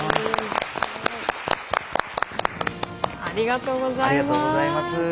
ありがとうございます。